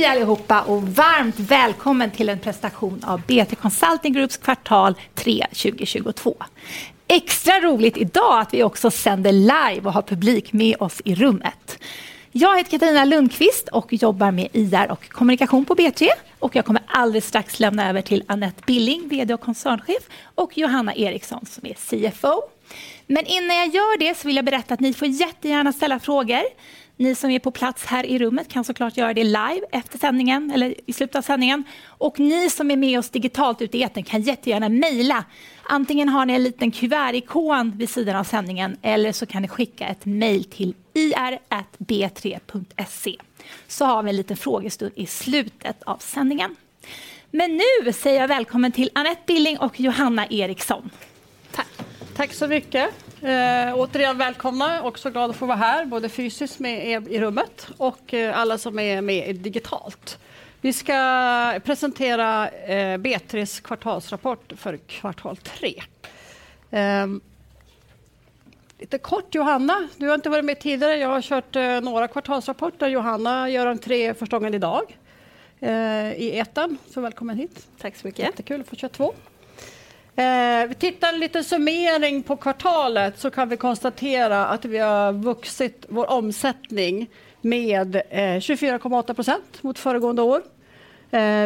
Hej allihopa och varmt välkommen till en presentation av B3 Consulting Groups kvartal tre 2022. Extra roligt i dag att vi också sänder live och har publik med oss i rummet. Jag heter Katarina Lundqvist och jobbar med IR och kommunikation på B3. Jag kommer alldeles strax lämna över till Anette Billing, VD och koncernchef, och Johanna Eriksson som är CFO. Innan jag gör det så vill jag berätta att ni får jättegärna ställa frågor. Ni som är på plats här i rummet kan så klart göra det live efter sändningen eller i slutet av sändningen. Ni som är med oss digitalt ute i etern kan jättegärna mejla. Antingen har ni en liten kuvertikon vid sidan av sändningen eller så kan ni skicka ett mejl till ir@b3.se. Har vi en liten frågestund i slutet av sändningen. Nu säger jag välkommen till Anette Billing och Johanna Eriksson. Tack. Tack så mycket. Återigen välkomna. Också glad att få vara här, både fysiskt med er i rummet och alla som är med digitalt. Vi ska presentera B3:s kvartalsrapport för kvartal tre. Lite kort, Johanna, du har inte varit med tidigare. Jag har kört några kvartalsrapporter. Johanna gör en tre för första gången i dag i etan. Välkommen hit. Tack så mycket. Jättekul att få köra två. Vi tittar en liten sammanfattning på kvartalet så kan vi konstatera att vi har vuxit vår omsättning med 24.8% mot föregående år.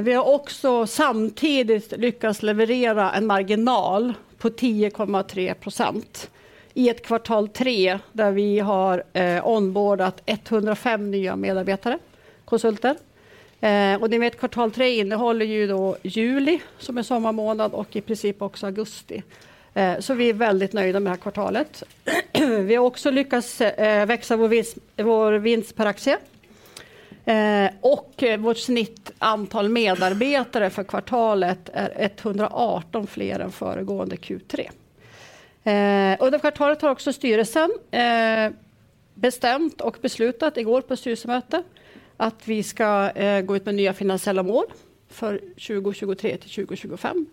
Vi har också samtidigt lyckats leverera en marginal på 10.3% i ett kvartal tre där vi har onboardat 105 nya medarbetare, konsulter. Ni vet kvartal tre innehåller juli som är sommarmånad och i princip också augusti. Vi är väldigt nöjda med det här kvartalet. Vi har också lyckats växa vår vinst per aktie. Vårt snittantal medarbetare för kvartalet är 118 fler än föregående Q3. Under kvartalet har också styrelsen bestämt och beslutat igår på styrelsemöte att vi ska gå ut med nya finansiella mål för 2023 till 2025.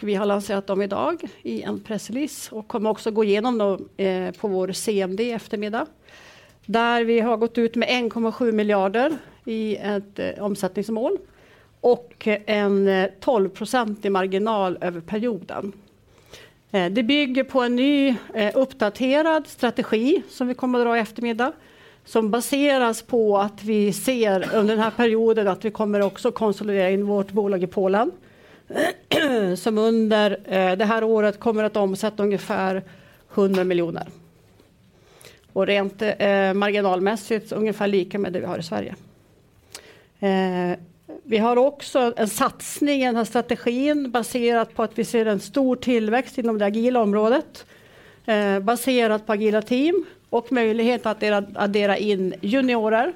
Vi har lanserat dem idag i en pressrelease och kommer också gå igenom dem på vår CMD i eftermiddag. Där vi har gått ut med 1.7 miljarder i ett omsättningsmål och en 12% marginal över perioden. Det bygger på en ny uppdaterad strategi som vi kommer att dra i eftermiddag, som baseras på att vi ser under den här perioden att vi kommer också konsolidera in vårt bolag i Polen. Som under det här året kommer att omsätta ungefär 100 miljoner. Rent marginalmässigt ungefär lika med det vi har i Sverige. Vi har också en satsning i den här strategin baserat på att vi ser en stor tillväxt inom det agila området, baserat på agila team och möjlighet att addera in juniorer.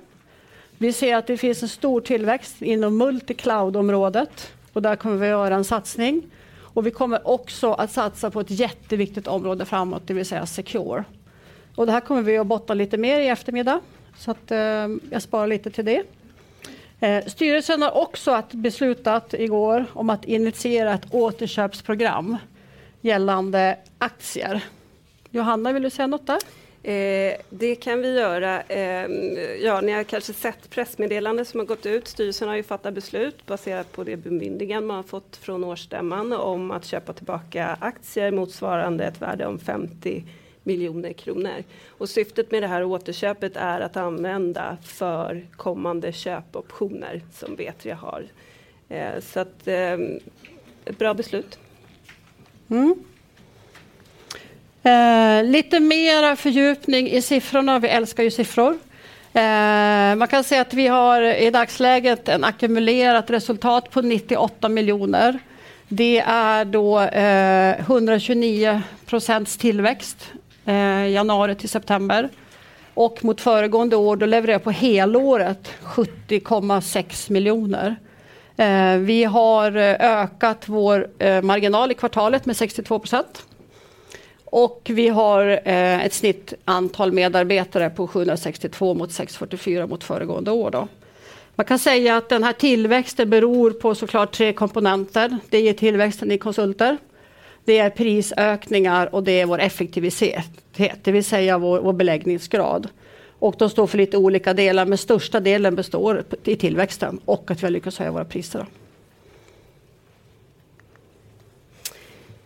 Vi ser att det finns en stor tillväxt inom multicloud-området och där kommer vi att göra en satsning. Vi kommer också att satsa på ett jätteviktigt område framåt, det vill säga Security. Det här kommer vi att bottna lite mer i eftermiddag. Så att jag sparar lite till det. Styrelsen har också beslutat igår om att initiera ett återköpsprogram gällande aktier. Johanna, vill du säga något där? Det kan vi göra. Ja, ni har kanske sett pressmeddelande som har gått ut. Styrelsen har ju fattat beslut baserat på det bemyndigande man har fått från årsstämman om att köpa tillbaka aktier motsvarande ett värde om 50 million kronor. Syftet med det här återköpet är att använda för kommande köpoptioner som B3 har. Så att ett bra beslut. Lite mer fördjupning i siffrorna. Vi älskar ju siffror. Man kan säga att vi har i dagsläget ett ackumulerat resultat på 98 miljoner. Det är då 129% tillväxt, januari till september. Mot föregående år, då levererar på helåret 70.6 miljoner. Vi har ökat vår marginal i kvartalet med 62%. Vi har ett snittantal medarbetare på 762 mot 644 mot föregående år då. Man kan säga att den här tillväxten beror på så klart tre komponenter. Det är tillväxten i konsulter. Det är prisökningar och det är vår effektivitet, det vill säga vår beläggningsgrad. De står för lite olika delar, men största delen består i tillväxten och att vi har lyckats höja våra priser då.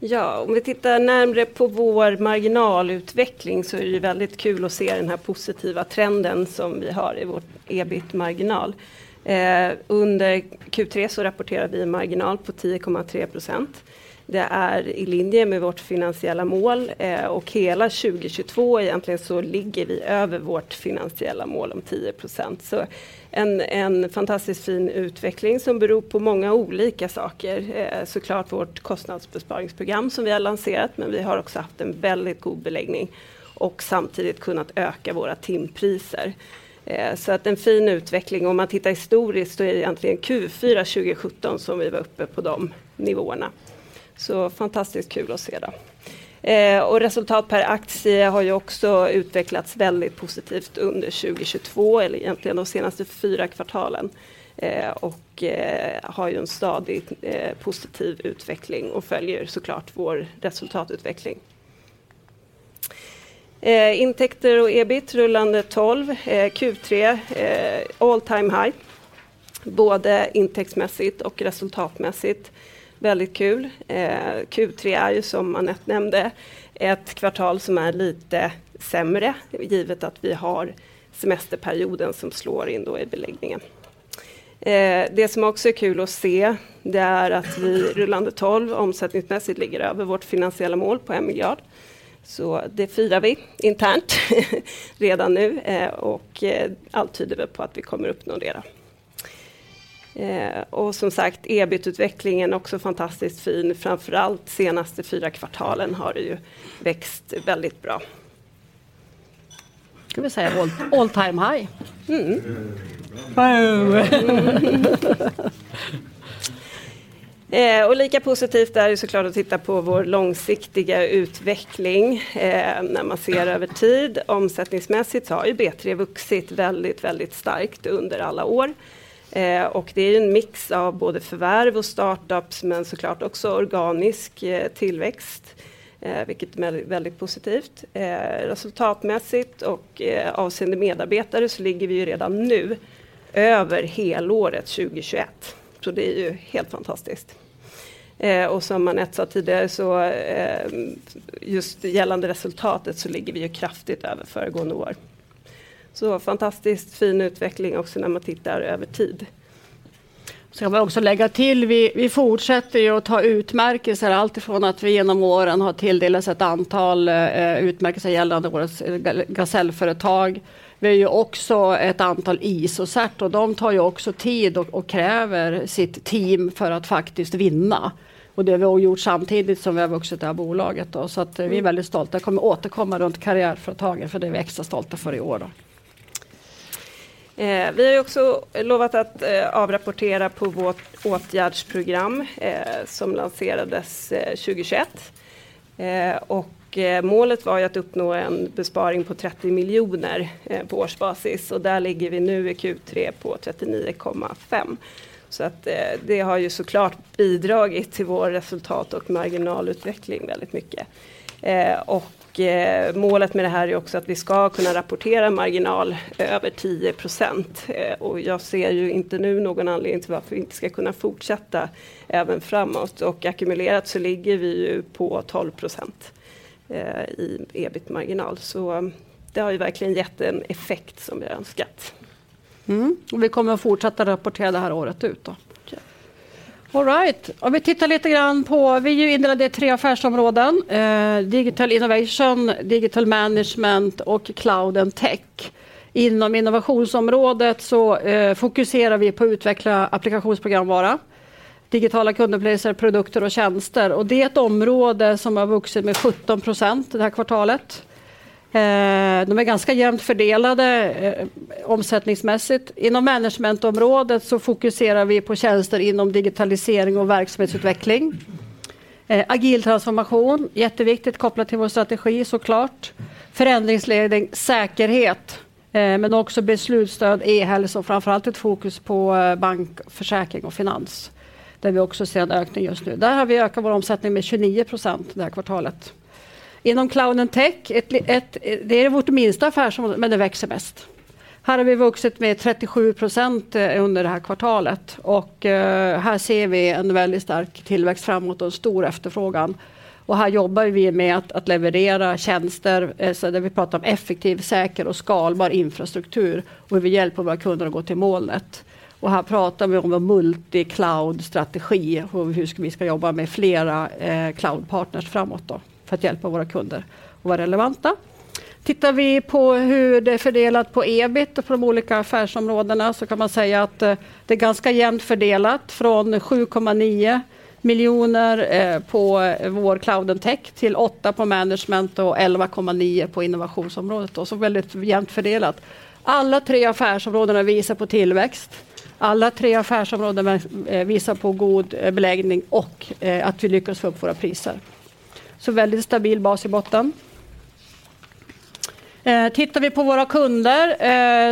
Ja, om vi tittar närmre på vår marginalutveckling så är det ju väldigt kul att se den här positiva trenden som vi har i vårt EBIT-marginal. Under Q3 så rapporterar vi en marginal på 10.3%. Det är i linje med vårt finansiella mål. Hela 2022 egentligen så ligger vi över vårt finansiella mål om 10%. En fantastiskt fin utveckling som beror på många olika saker. Klart vårt kostnadsbesparingsprogram som vi har lanserat, men vi har också haft en väldigt god beläggning och samtidigt kunnat öka våra timpriser. Att en fin utveckling. Om man tittar historiskt så är det egentligen Q4 2017 som vi var uppe på de nivåerna. Fantastiskt kul att se då. Resultat per aktie har ju också utvecklats väldigt positivt under 2022 eller egentligen de senaste fyra kvartalen. har ju en stadig positiv utveckling och följer så klart vår resultatutveckling. Intäkter och EBIT rullande 12, Q3, all time high, både intäktsmässigt och resultatmässigt. Väldigt kul. Q3 är ju som Anette nämnde, ett kvartal som är lite sämre givet att vi har semesterperioden som slår in då i beläggningen. Det som också är kul att se det är att vi rullande 12 omsättningsmässigt ligger över vårt finansiella mål på 1 miljard. Det firar vi internt redan nu och allt tyder väl på att vi kommer uppnå det då. Som sagt, EBIT-utvecklingen också fantastiskt fin. Framför allt senaste 4 kvartalen har ju växt väldigt bra. Ska vi säga all-time high? Lika positivt är det så klart att titta på vår långsiktiga utveckling. När man ser över tid, omsättningsmässigt har ju B3 vuxit väldigt starkt under alla år. Det är ju en mix av både förvärv och start ups, men så klart också organisk tillväxt, vilket är väldigt positivt. Resultatmässigt och avseende medarbetare så ligger vi ju redan nu över helåret 2021. Det är ju helt fantastiskt. Som Anette sa tidigare, så just gällande resultatet så ligger vi ju kraftigt över föregående år. Fantastiskt fin utveckling också när man tittar över tid. Ska man också lägga till, vi fortsätter ju att ta utmärkelser, allt ifrån att vi igenom åren har tilldelats ett antal utmärkelser gällande vårt gasellföretag. Vi har ju också ett antal ISO-cert och de tar ju också tid och kräver sitt team för att faktiskt vinna. Det har vi gjort samtidigt som vi har vuxit det här bolaget då. Vi är väldigt stolta. Jag kommer återkomma runt Karriärföretagen för det är vi extra stolta för i år då. Vi har också lovat att avrapportera på vårt åtgärdsprogram som lanserades 2021. Målet var ju att uppnå en besparing på 30 miljoner på årsbasis och där ligger vi nu i Q3 på 39.5 miljoner. Att det har ju så klart bidragit till vår resultat- och marginalutveckling väldigt mycket. Målet med det här är också att vi ska kunna rapportera en marginal över 10%. Jag ser ju inte nu någon anledning till varför vi inte ska kunna fortsätta även framåt. Ackumulerat så ligger vi ju på 12% i EBIT-marginal. Det har ju verkligen gett en effekt som vi önskat. Vi kommer att fortsätta rapportera det här året ut då. All right, om vi tittar lite grann på, vi är ju indelade i tre affärsområden. Digital Innovation, Digital Management och Cloud & Technology. Inom innovationsområdet så fokuserar vi på att utveckla applikationsprogramvara, digitala kundupplevelser, produkter och tjänster. Det är ett område som har vuxit med 17% det här kvartalet. De är ganska jämnt fördelade omsättningsmässigt. Inom managementområdet så fokuserar vi på tjänster inom digitalisering och verksamhetsutveckling. Agil transformation, jätteviktigt, kopplat till vår strategi så klart. Förändringsledning, säkerhet, men också beslutsstöd, e-hälsa och framför allt ett fokus på bank, försäkring och finans, där vi också ser en ökning just nu. Där har vi ökat vår omsättning med 29% det här kvartalet. Inom Cloud & Technology, ett det är vårt minsta affärsområde, men det växer mest. Här har vi vuxit med 37% under det här kvartalet och här ser vi en väldigt stark tillväxt framåt och en stor efterfrågan. Här jobbar vi med att leverera tjänster, så där vi pratar om effektiv, säker och skalbar infrastruktur och hur vi hjälper våra kunder att gå till målet. Här pratar vi om multicloud-strategi, hur vi ska jobba med flera cloudpartners framåt då för att hjälpa våra kunder att vara relevanta. Tittar vi på hur det är fördelat på EBIT för de olika affärsområdena så kan man säga att det är ganska jämnt fördelat från 7.9 million på vår Cloud & Technology till 8 på Management och 11.9 på innovationsområdet. Väldigt jämnt fördelat. Alla tre affärsområdena visar på tillväxt. Alla tre affärsområdena visar på god beläggning och att vi lyckas få upp våra priser. Väldigt stabil bas i botten. Tittar vi på våra kunder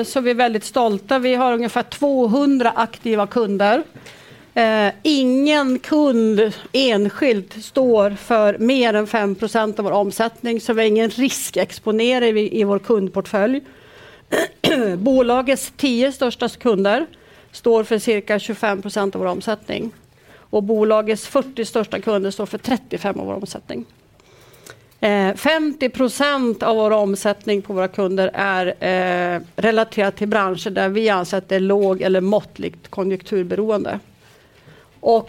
så är vi väldigt stolta. Vi har ungefär 200 aktiva kunder. Ingen kund enskilt står för mer än 5% av vår omsättning, så vi har ingen riskexponering i vår kundportfölj. Bolagets 10 största kunder står för cirka 25% av vår omsättning och bolagets 40 största kunder står för 35% av vår omsättning. 50% av vår omsättning på våra kunder är relaterat till branscher där vi anser att det är låg eller måttligt konjunkturberoende.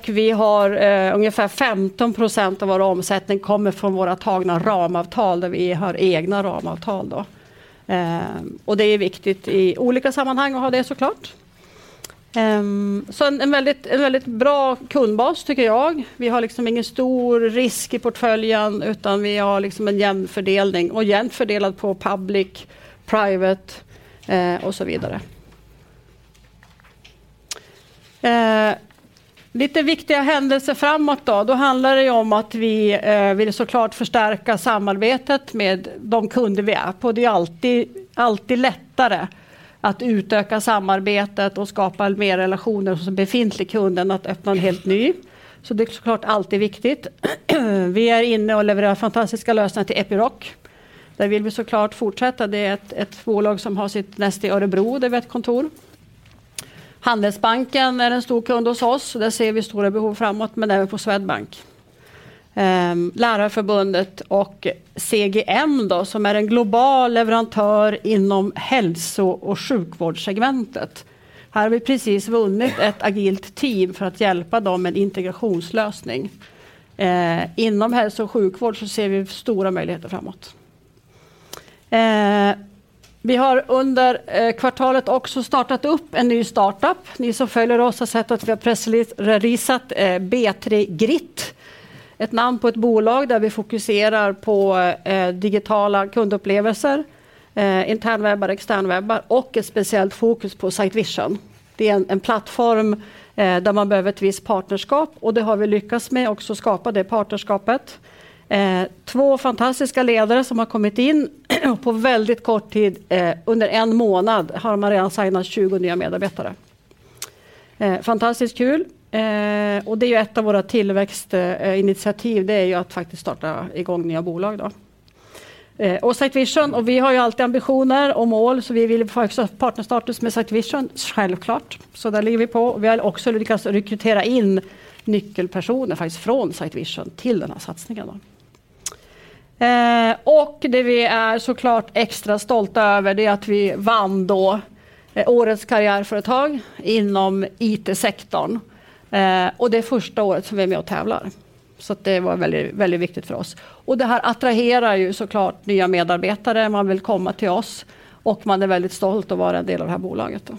Vi har ungefär 15% av vår omsättning kommer från våra tagna ramavtal, där vi har egna ramavtal då. Det är viktigt i olika sammanhang att ha det så klart. En väldigt bra kundbas tycker jag. Vi har liksom ingen stor risk i portföljen, utan vi har liksom en jämn fördelning och jämnt fördelad på public, private och så vidare. Lite viktiga händelser framåt då. Det handlar det ju om att vi vill så klart förstärka samarbetet med de kunder vi är på. Det är alltid lättare att utöka samarbetet och skapa mer relationer hos en befintlig kund än att öppna en helt ny. Det är så klart alltid viktigt. Vi är inne och levererar fantastiska lösningar till Epiroc. Där vill vi så klart fortsätta. Det är ett bolag som har sitt säte i Örebro, där vi har ett kontor. Handelsbanken är en stor kund hos oss och där ser vi stora behov framåt, men även på Swedbank. Lärarförbundet och CGI då, som är en global leverantör inom hälso- och sjukvårdssegmentet. Här har vi precis vunnit ett agilt team för att hjälpa dem med integrationslösning. Inom hälso- och sjukvård så ser vi stora möjligheter framåt. Vi har under kvartalet också startat upp en ny start-up. Ni som följer oss har sett att vi har pressreleaseat B3 Grit. Ett namn på ett bolag där vi fokuserar på digitala kundupplevelser, internwebbar, externwebbar och ett speciellt fokus på Sitevision. Det är en plattform där man behöver ett visst partnerskap och det har vi lyckats med också att skapa det partnerskapet. Två fantastiska ledare som har kommit in på väldigt kort tid. Under en månad har man redan signat 20 nya medarbetare. Fantastiskt kul. Det är ju ett av våra tillväxtinitiativ. Det är ju att faktiskt starta igång nya bolag då. Sitevision, och vi har ju alltid ambitioner och mål, så vi vill få också partnerstatus med Sitevision, självklart. Så där ligger vi på. Vi har också lyckats rekrytera in nyckelpersoner faktiskt från Sitevision till den här satsningen då. Det vi är så klart extra stolta över är att vi vann årets Karriärföretag inom IT-sektorn. Det är första året som vi är med och tävlar. Det var väldigt viktigt för oss. Det här attraherar ju så klart nya medarbetare. Man vill komma till oss och man är väldigt stolt att vara en del av det här bolaget då.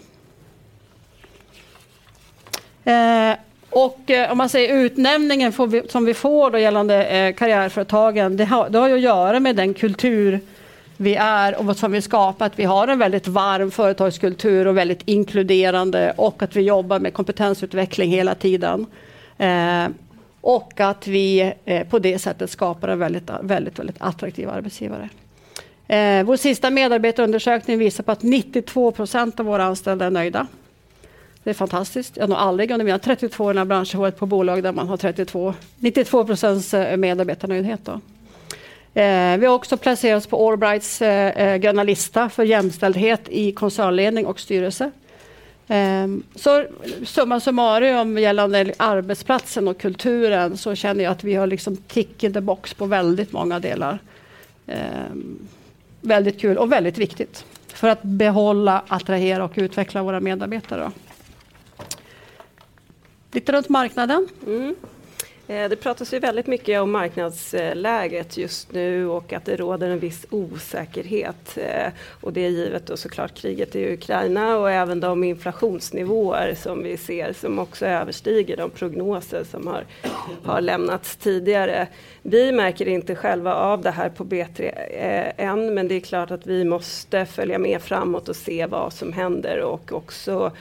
Om man säger utnämningen som vi får då gällande Karriärföretagen, det har att göra med den kultur vi är och vad vi skapar. Vi har en väldigt varm företagskultur och väldigt inkluderande och vi jobbar med kompetensutveckling hela tiden. Vi på det sättet skapar en väldigt attraktiv arbetsgivare. Vår sista medarbetarundersökning visar på att 92% av våra anställda är nöjda. Det är fantastiskt. Jag har nog aldrig under mina 32 år i branschen varit på bolag där man har 32, 92% medarbetarnöjdhet då. Vi har också placerats på Allbrights gröna lista för jämställdhet i koncernledning och styrelse. Så summa summarum gällande arbetsplatsen och kulturen så känner jag att vi har liksom ticked the box på väldigt många delar. Väldigt kul och väldigt viktigt för att behålla, attrahera och utveckla våra medarbetare då. Lite runt marknaden. Det pratas ju väldigt mycket om marknadsläget just nu och att det råder en viss osäkerhet. Det är givet då så klart kriget i Ukraina och även de inflationsnivåer som vi ser som också överstiger de prognoser som har lämnats tidigare. Vi märker inte själva av det här på B3 än, men det är klart att vi måste följa med framåt och se vad som händer och också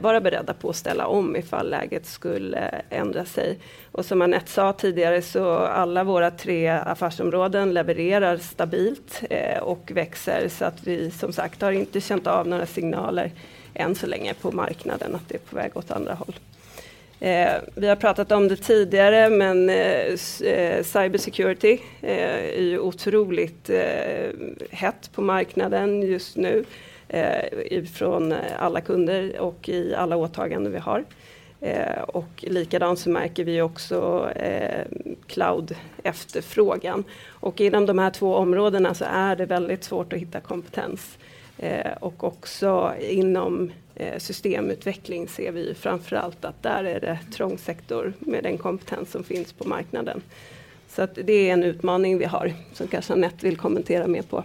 vara beredda på att ställa om ifall läget skulle ändra sig. Som Anette sa tidigare, så alla våra tre affärsområden levererar stabilt och växer så att vi som sagt, har inte känt av några signaler än så länge på marknaden att det är på väg åt andra håll. Vi har pratat om det tidigare, men cybersecurity är ju otroligt hett på marknaden just nu, ifrån alla kunder och i alla åtaganden vi har. likadant så märker vi också cloud-efterfrågan. Inom de här två områdena så är det väldigt svårt att hitta kompetens. Också inom systemutveckling ser vi framför allt att där är det trång sektor med den kompetens som finns på marknaden. Det är en utmaning vi har som kanske Anette vill kommentera mer på.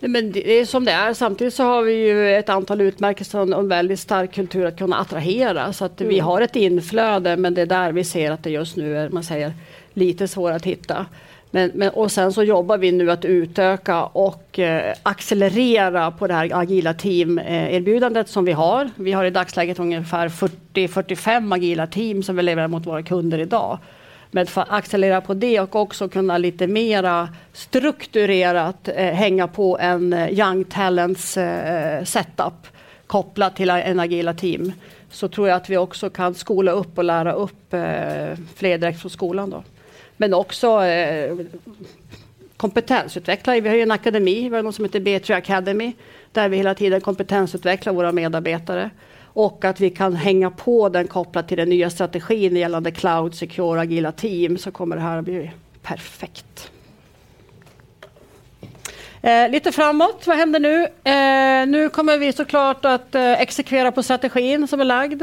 Nej men, det är som det är. Samtidigt så har vi ju ett antal utmärkelser och en väldigt stark kultur att kunna attrahera. Så att vi har ett inflöde, men det är där vi ser att det just nu är, om man säger, lite svår att hitta. Men, och sen så jobbar vi nu att utöka och accelerera på det här agila team-erbjudandet som vi har. Vi har i dagsläget ungefär 40, 45 agila team som vi levererar mot våra kunder i dag. Men för att accelerera på det och också kunna lite mera strukturerat hänga på en young talents set up kopplat till agila team, så tror jag att vi också kan skola upp och lära upp, fler direkt från skolan då. Men också, kompetensutveckla. Vi har ju en akademi, vi har något som heter B3 Academy, där vi hela tiden kompetensutvecklar våra medarbetare och att vi kan hänga på den kopplat till den nya strategin gällande cloud, Security, agila team så kommer det här bli perfekt. Lite framåt. Vad händer nu? Nu kommer vi så klart att exekvera på strategin som är lagd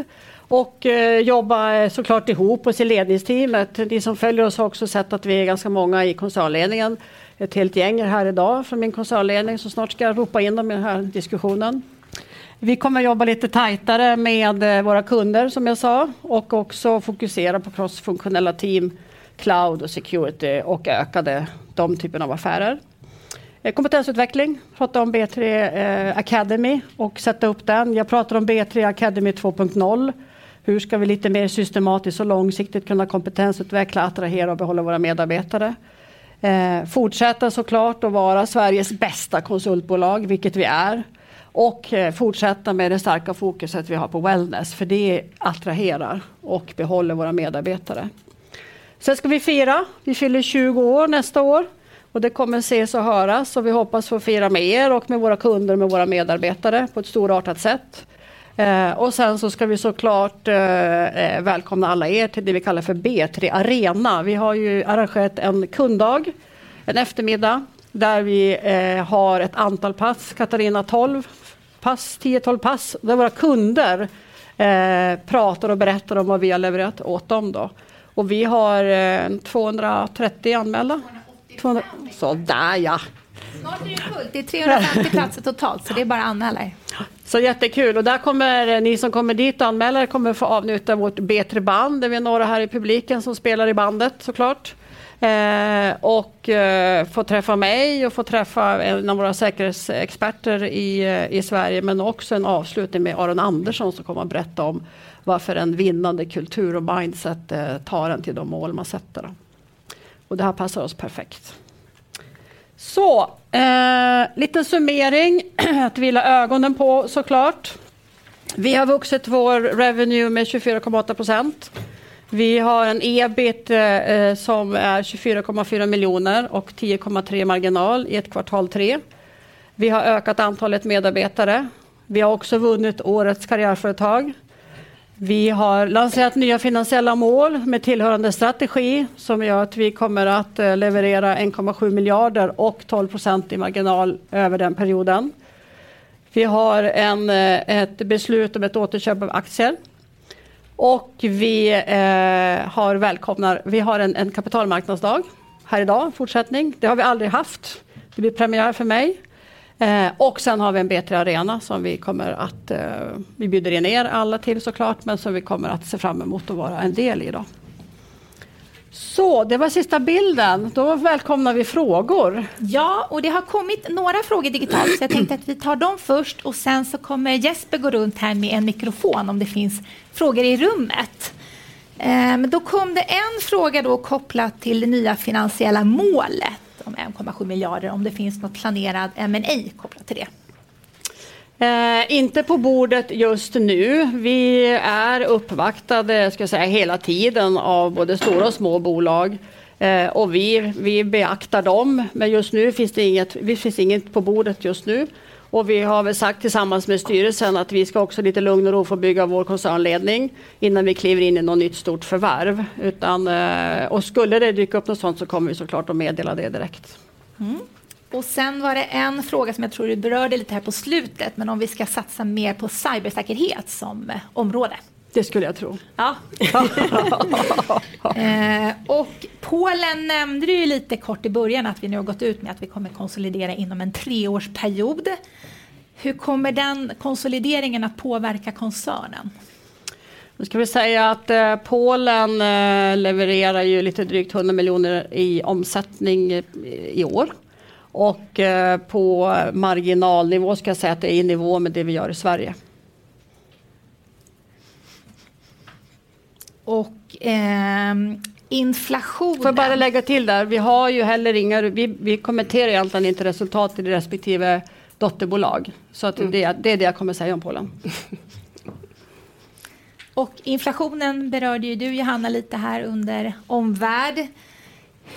och jobba så klart ihop oss i ledningsteamet. Ni som följer oss har också sett att vi är ganska många i koncernledningen. Ett helt gäng är här i dag från min koncernledning som snart ska ropa in dem i den här diskussionen. Vi kommer att jobba lite tajtare med våra kunder som jag sa, och också fokusera på crossfunktionella team, cloud och security och ökade de typen av affärer. Kompetensutveckling, prata om B3 Academy och sätta upp den. Jag pratar om B3 Academy 2.0. Hur ska vi lite mer systematiskt och långsiktigt kunna kompetensutveckla, attrahera och behålla våra medarbetare? Fortätta så klart att vara Sveriges bästa konsultbolag, vilket vi är, och fortsätta med det starka fokuset vi har på wellness, för det attraherar och behåller våra medarbetare. Sen ska vi fira. Vi fyller 20 år nästa år och det kommer ses och höras. Vi hoppas få fira med er och med våra kunder, med våra medarbetare på ett storartat sätt. Sen så ska vi så klart välkomna alla er till det vi kallar för B3 Arena. Vi har ju arrangerat en kunddag, en eftermiddag, där vi har ett antal pass. Katarina, 12 pass, där våra kunder pratar och berättar om vad vi har levererat åt dem då. Vi har 230 anmälda. Sådär ja. Snart är det fullt, det är 350 platser totalt. Det är bara att anmäla sig. Jättekul. Där kommer ni som kommer dit och anmäler kommer att få njuta av vårt B3 band. Det är några här i publiken som spelar i bandet så klart. Och få träffa mig och få träffa en av våra säkerhetsexperter i Sverige. Också en avslutning med Aron Andersson som kommer att berätta om varför en vinnande kultur och mindset tar en till de mål man sätter då. Det här passar oss perfekt. Liten summering att vila ögonen på så klart. Vi har vuxit vår revenue med 24.8%. Vi har en EBIT som är 24.4 miljoner och 10.3% marginal i Q3. Vi har ökat antalet medarbetare. Vi har också vunnit Årets Karriärföretag. Vi har lanserat nya finansiella mål med tillhörande strategi som gör att vi kommer att leverera 1.7 miljarder och 12% marginal över den perioden. Vi har ett beslut om ett återköp av aktier och vi har en kapitalmarknadsdag här i dag, en fortsättning. Det har vi aldrig haft. Det blir premiär för mig. Och sen har vi en B3 Arena som vi bjuder in er alla till så klart, men som vi kommer att se fram emot att vara en del i då. Så det var sista bilden. Då välkomnar vi frågor. Det har kommit några frågor digitalt. Jag tänkte att vi tar dem först och sen så kommer Jesper gå runt här med en mikrofon om det finns frågor i rummet. Då kom det en fråga, då kopplat till det nya finansiella målet om 1.7 miljarder. Om det finns något planerat M&A kopplat till det? Inte på bordet just nu. Vi är uppvaktade, ska jag säga, hela tiden av både stora och små bolag. Vi beaktar dem, men just nu finns det inget på bordet just nu. Vi har väl sagt tillsammans med styrelsen att vi ska också i lite lugn och ro få bygga vår koncernledning innan vi kliver in i något nytt stort förvärv. Skulle det dyka upp något sådant så kommer vi så klart att meddela det direkt. Var det en fråga som jag tror du berörde lite här på slutet. Om vi ska satsa mer på cybersäkerhet som område. Det skulle jag tro. Ja. Polen nämnde du ju lite kort i början att vi nu har gått ut med att vi kommer konsolidera inom en treårsperiod. Hur kommer den konsolideringen att påverka koncernen? Ska vi säga att Polen levererar ju lite drygt SEK 100 miljoner i omsättning i år och på marginalnivå ska jag säga att det är i nivå med det vi gör i Sverige. Inflation. Får bara lägga till där. Vi kommenterar egentligen inte resultat i det respektive dotterbolag. Det är det jag kommer säga om Polen. Inflationen berörde ju du, Johanna, lite här under omvärld.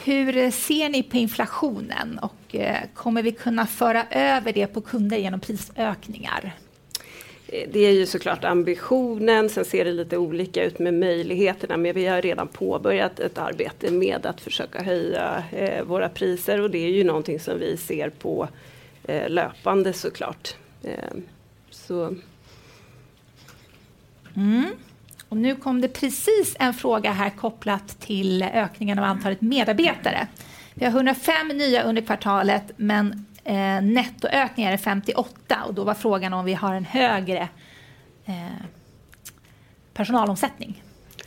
Hur ser ni på inflationen och kommer vi kunna föra över det på kunder igenom prisökningar? Det är ju så klart ambitionen. Ser det lite olika ut med möjligheterna, men vi har redan påbörjat ett arbete med att försöka höja våra priser och det är ju någonting som vi ser på löpande så klart. Nu kom det precis en fråga här kopplat till ökningen av antalet medarbetare. Vi har 105 nya under kvartalet, men nettoökning är det 58 och då var frågan om vi har en högre personalomsättning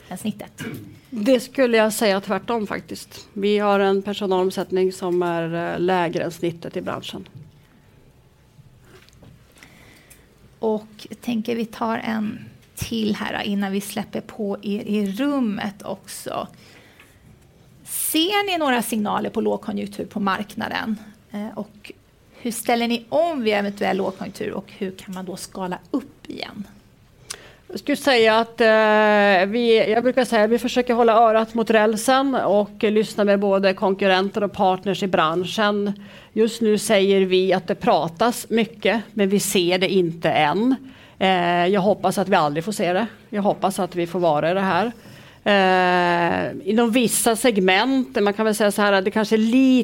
än snittet. Det skulle jag säga tvärtom faktiskt. Vi har en personalomsättning som är lägre än snittet i branschen. Jag tänker vi tar en till här då innan vi släpper på er i rummet också. Ser ni några signaler på lågkonjunktur på marknaden? Hur ställer ni om vid eventuell lågkonjunktur och hur kan man då skala upp igen? Jag skulle säga att jag brukar säga vi försöker hålla örat mot rälsen och lyssna på både konkurrenter och partners i branschen. Just nu säger vi att det pratas mycket, men vi ser det inte än. Jag hoppas att vi aldrig får se det. Jag hoppas att vi får vara i det här. Inom vissa segment, man kan väl säga såhär att det kanske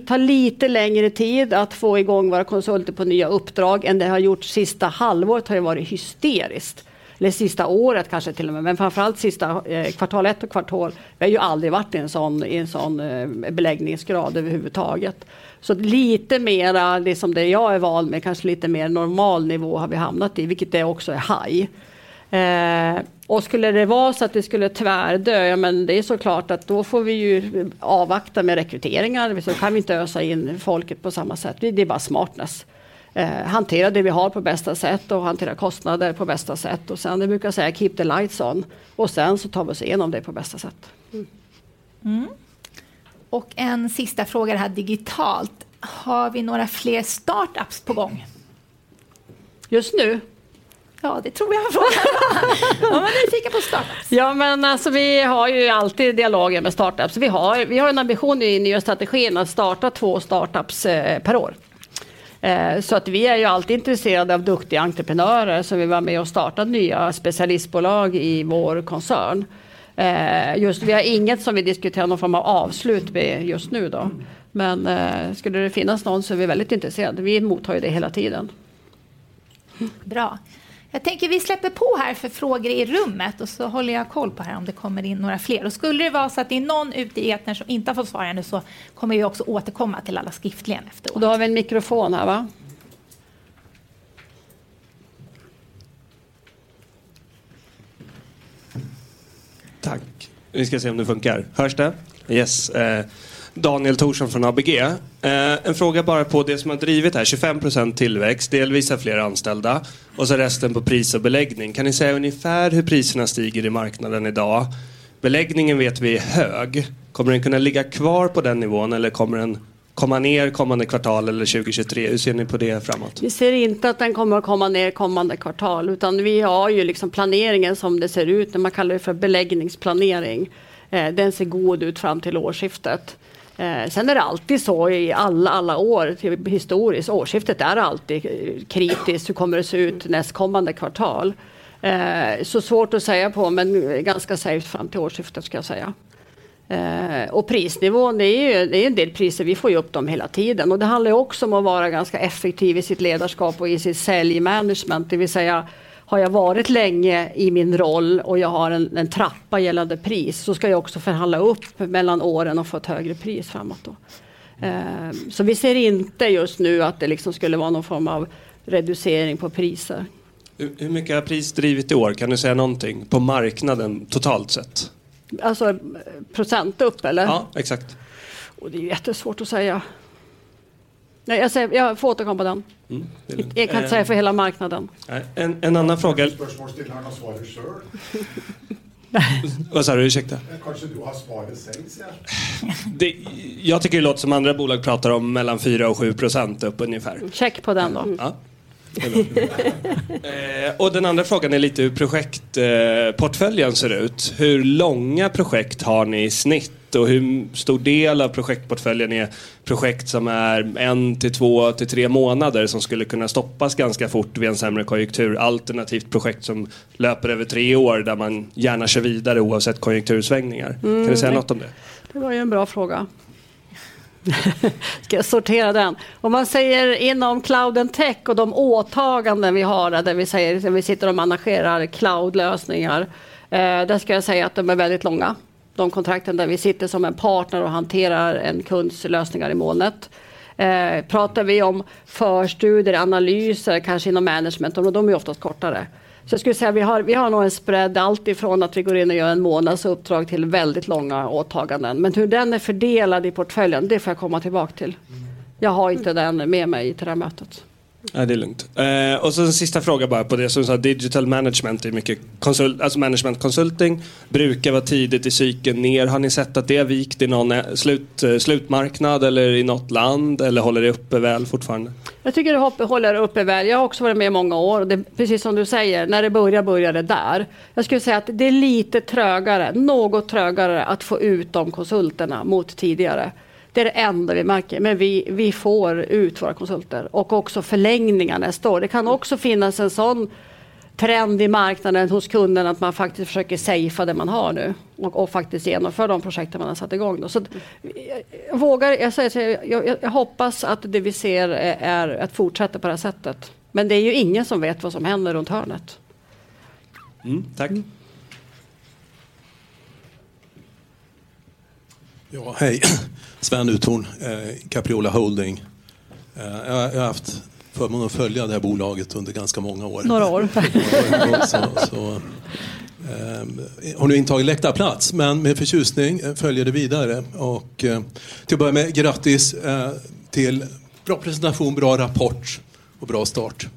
tar lite längre tid att få igång våra konsulter på nya uppdrag än det har gjort. Sista halvåret har ju varit hysteriskt. Eller sista året kanske till och med, men framför allt sista kvartal ett och kvartal. Vi har ju aldrig varit i en sådan beläggningsgrad överhuvudtaget. Så lite mer som jag är van med, kanske lite mer normal nivå har vi hamnat i, vilket det också är high. Skulle det vara så att det skulle tvärdöda, ja men det är så klart att då får vi ju avvakta med rekryteringar. Vi kan inte ösa in folket på samma sätt. Det är bara smartast. Hantera det vi har på bästa sätt och hantera kostnader på bästa sätt. Sen jag brukar säga: "Keep the lights on." Sen så tar vi oss igenom det på bästa sätt. En sista fråga här digitalt: Har vi några fler startups på gång? Just nu? Ja, det tror jag. Om man är nyfiken på startups. Ja men alltså vi har ju alltid dialogen med startups. Vi har en ambition i nya strategin att starta två startups per år. Så att vi är ju alltid intresserade av duktiga entreprenörer som vill vara med och starta nya specialistbolag i vår koncern. Just, vi har inget som vi diskuterar någon form av avslut med just nu då. Men skulle det finnas någon så är vi väldigt intresserade. Vi mottar ju det hela tiden. Bra. Jag tänker vi släpper på här för frågor i rummet och så håller jag koll på här om det kommer in några fler. Skulle det vara så att det är någon ute i etern som inte har fått svar ännu så kommer vi också återkomma till alla skriftligen efteråt. Då har vi en mikrofon här va? Tack. Vi ska se om det funkar. Hörs det? Yes. Daniel Thorsson från ABG. En fråga bara på det som har drivit här, 25% tillväxt, delvis av fler anställda och så resten på pris och beläggning. Kan ni säga ungefär hur priserna stiger i marknaden i dag? Beläggningen vet vi är hög. Kommer den kunna ligga kvar på den nivån eller kommer den komma ner kommande kvartal eller 2023? Hur ser ni på det framåt? Vi ser inte att den kommer att komma ner kommande kvartal, utan vi har ju liksom planeringen som det ser ut. Man kallar det för beläggningsplanering. Den ser god ut fram till årsskiftet. Är det alltid så i alla år historiskt. Årsskiftet är alltid kritiskt. Hur kommer det se ut nästkommande kvartal? Så svårt att säga på, men ganska safe fram till årsskiftet ska jag säga. Prisnivån, det är ju, det är en del priser. Vi får ju upp dem hela tiden och det handlar ju också om att vara ganska effektiv i sitt ledarskap och i sitt säljmanagement. Det vill säga har jag varit länge i min roll och jag har en trappa gällande pris så ska jag också förhandla upp mellan åren och få ett högre pris framåt då. Vi ser inte just nu att det liksom skulle vara någon form av reducering på priser. Hur mycket har pris drivit i år? Kan du säga någonting på marknaden totalt sett? Alltså procent upp eller? Ja, exakt. Det är jättesvårt att säga. Nej, jag får återkomma på den. Jag kan inte säga för hela marknaden. En annan fråga. Frågeställaren har svaret själv. Vad sa du? Ursäkta. Kanske du har svaret själv sedan. Jag tycker det låter som andra bolag pratar om mellan 4% och 7% upp ungefär. Check på den då. Den andra frågan är lite hur projektportföljen ser ut. Hur långa projekt har ni i snitt? Hur stor del av projektportföljen är projekt som är en till två till tre månader som skulle kunna stoppas ganska fort vid en sämre konjunktur? Alternativt projekt som löper över tre år där man gärna kör vidare oavsett konjunktursvängningar. Kan du säga något om det? Det var ju en bra fråga. Ska jag sortera den? Om man säger inom Cloud & Technology och de åtaganden vi har där vi säger, vi sitter och managerar cloudlösningar. Där ska jag säga att de är väldigt långa. De kontrakten där vi sitter som en partner och hanterar en kunds lösningar i molnet. Pratar vi om förstudier, analyser, kanske inom Digital Management, de är oftast kortare. Så jag skulle säga vi har nog en spread, allt ifrån att vi går in och gör en månads uppdrag till väldigt långa åtaganden. Men hur den är fördelad i portföljen, det får jag komma tillbaka till. Jag har inte den med mig till det här mötet. Nej, det är lugnt. Och sen sista fråga bara på det. Som du sa, Digital Management är mycket, alltså management consulting brukar vara tidigt i cykeln ner. Har ni sett att det har vikt i någon slutmarknad eller i något land? Eller håller det uppe väl fortfarande? Jag tycker det håller uppe väl. Jag har också varit med i många år. Precis som du säger, när det börjar det där. Jag skulle säga att det är lite trögare, något trögare att få ut de konsulterna mot tidigare. Det är det enda vi märker, men vi får ut våra konsulter och också förlängningarna är stora. Det kan också finnas en sådan trend i marknaden hos kunden att man faktiskt försöker safea det man har nu och faktiskt genomför de projekten man har satt i gång. Så jag vågar, jag säger, jag hoppas att det vi ser är att fortsätta på det här sättet. Det är ju ingen som vet vad som händer runt hörnet. Tack. Ja hej, Sven Uthorn, Capriola Holding. Jag har haft förmånen att följa det här bolaget under ganska många år. Några år. Så har nu intagit läktarplats, men med förtjusning följer det vidare. Till att börja med grattis till bra presentation, bra rapport och bra start.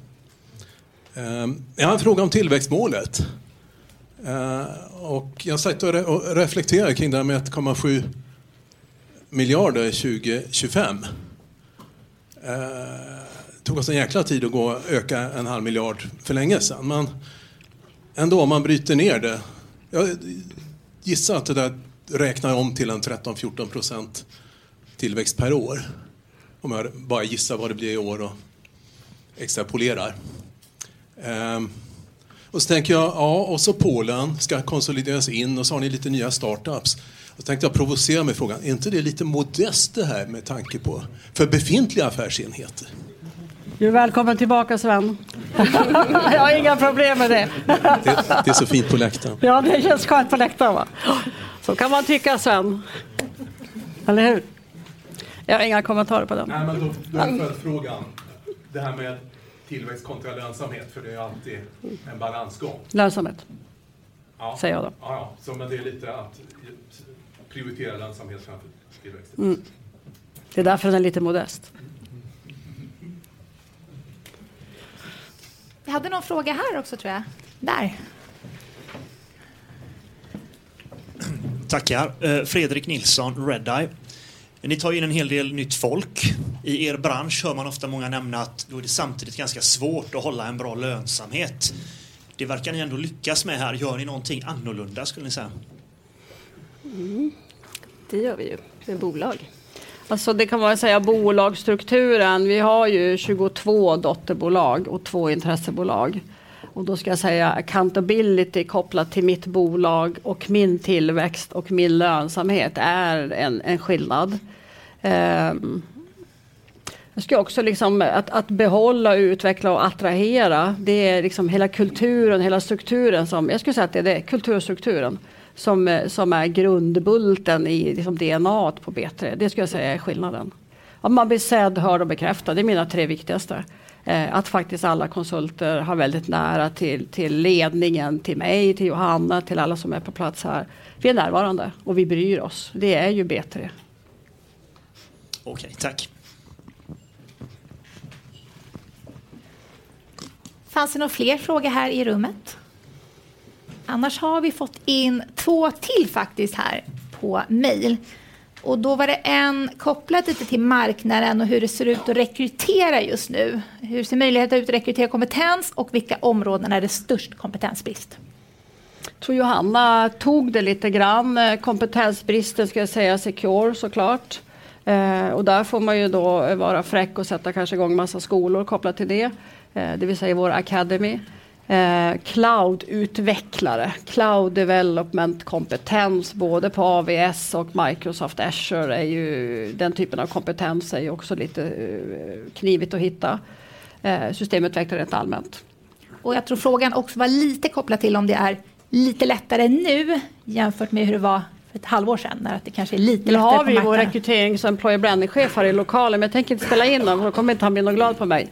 Jag har en fråga om tillväxtmålet. Jag har suttit och reflekterat kring det här med 1.7 miljarder 2025. Det tog oss en jäkla tid att gå och öka en halv miljard för länge sedan. Ändå om man bryter ner det. Jag gissar att det där räknar jag om till 13%-14% tillväxt per år. Om jag bara gissar vad det blir i år och extrapolerar. Så tänker jag, ja och så Polen ska konsolideras in och så har ni lite nya startups. Då tänkte jag provocera med frågan. Är inte det lite modest det här med tanke på för befintliga affärsenheter? Du är välkommen tillbaka, Sven. Jag har inga problem med det. Det är så fint på läktaren. Ja, det är skönt på läktaren va. Så kan man tycka Sven. Eller hur? Jag har inga kommentarer på den. Nej, då följer upp frågan. Det här med tillväxt kontra lönsamhet, för det är alltid en balansgång. Lönsamhet, säger jag då. Ja, det är lite att prioritera lönsamhet framför tillväxt. Det är därför den är lite modest. Vi hade någon fråga här också tror jag. Där. Tackar. Fredrik Nilsson, Redeye. Ni tar ju in en hel del nytt folk. I er bransch hör man ofta många nämna att då är det samtidigt ganska svårt att hålla en bra lönsamhet. Det verkar ni ändå lyckas med här. Gör ni någonting annorlunda skulle ni säga? Det gör vi ju. Det är bolag. Alltså, det kan man säga bolagsstrukturen. Vi har ju 22 dotterbolag och 2 intressebolag. Och då ska jag säga accountability kopplat till mitt bolag och min tillväxt och min lönsamhet är en skillnad. Jag ska också liksom att behålla, utveckla och attrahera. Det är liksom hela kulturen, hela strukturen som, jag skulle säga att det är det, kulturstrukturen som är grundbulten i liksom DNA:t på B3. Det skulle jag säga är skillnaden. Ja man blir sedd, hörd och bekräftad. Det är mina tre viktigaste. Att faktiskt alla konsulter har väldigt nära till ledningen, till mig, till Johanna, till alla som är på plats här. Vi är närvarande och vi bryr oss. Det är ju B3. Okej, tack. Fanns det några fler frågor här i rummet? Annars har vi fått in två till faktiskt här på mejl. Då var det en kopplat lite till marknaden och hur det ser ut att rekrytera just nu. Hur ser möjligheter ut att rekrytera kompetens och vilka områden är det störst kompetensbrist? Tror Johanna tog det lite grann. Kompetensbristen ska jag säga Security så klart. Och där får man ju då vara fräck och sätta kanske i gång en massa skolor kopplat till det. Det vill säga vår academy. Cloud-utvecklare, cloud development-kompetens, både på AWS och Microsoft Azure är ju den typen av kompetens också lite knivigt att hitta. Systemutvecklare rätt allmänt. Jag tror frågan också var lite kopplat till om det är lite lättare nu jämfört med hur det var för ett halvår sedan. Att det kanske är lite lättare på marknaden. Har vi ju vår rekryterings-employer branding-chef här i lokalen, men jag tänker inte ställa in dem. Kommer inte han bli något glad på mig.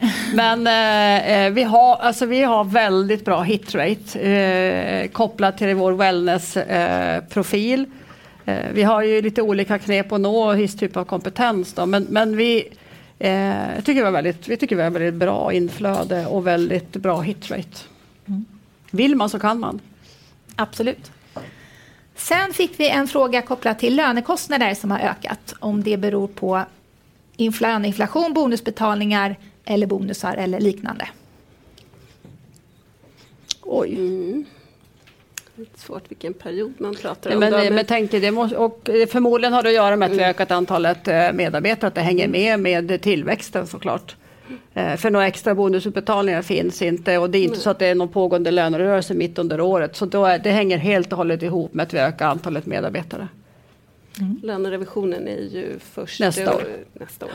Vi har, alltså, väldigt bra hit rate kopplat till vår wellness profil. Vi har ju lite olika knep att nå viss typ av kompetens då, men vi tycker vi har väldigt bra inflöde och väldigt bra hit rate. Vill man så kan man. Absolut. Fick vi en fråga kopplat till lönekostnader som har ökat. Om det beror på inflöme, inflation, bonusbetalningar eller bonusar eller liknande. Oj. Lite svårt vilken period man pratar om. Jag tänker det må, och förmodligen har det att göra med att vi ökat antalet medarbetare. Att det hänger med tillväxten så klart. För några extra bonusutbetalningar finns inte och det är inte så att det är någon pågående lönerörelse mitt under året. Det hänger helt och hållet ihop med att vi ökar antalet medarbetare. Lönerevisionen är ju först. Nästa år. Nästa år.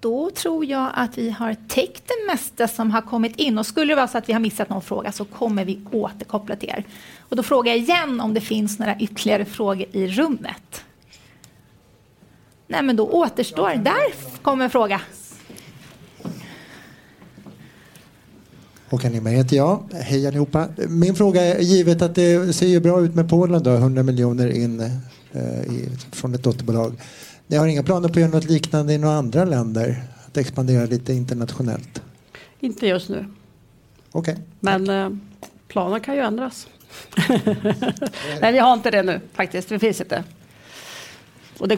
Då tror jag att vi har täckt det mesta som har kommit in och skulle det vara så att vi har missat någon fråga så kommer vi återkoppla till er. Då frågar jag igen om det finns några ytterligare frågor i rummet. Nej, men då återstår det. Där kommer en fråga. Håkan Emma heter jag. Hej allihopa. Min fråga är givet att det ser ju bra ut med Polen då. 100 million in från ett dotterbolag. Ni har inga planer på att göra något liknande i några andra länder? Att expandera lite internationellt. Inte just nu. Okej. Planen kan ju ändras. Nej, vi har inte det nu faktiskt. Det finns inte. Det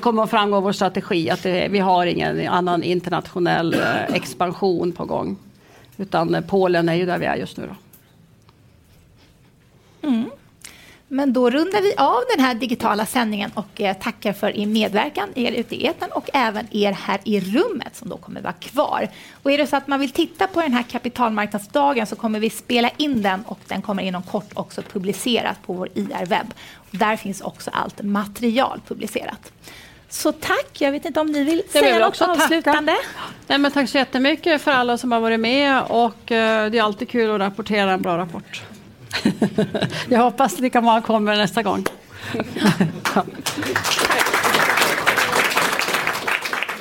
kommer framgå av vår strategi att vi har ingen annan internationell expansion på gång, utan Polen är ju där vi är just nu då. Då rundar vi av den här digitala sändningen och tackar för er medverkan, er ute i etern och även er här i rummet som då kommer vara kvar. Är det så att man vill titta på den här kapitalmarknadsdagen så kommer vi spela in den och den kommer inom kort också publiceras på vår IR-webb. Där finns också allt material publicerat. Tack, jag vet inte om ni vill säga något avslutande. Nej men tack så jättemycket för alla som har varit med och det är alltid kul att rapportera en bra rapport. Jag hoppas lika många kommer nästa gång.